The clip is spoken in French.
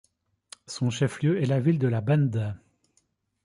Son chef-lieu est la ville de La Banda.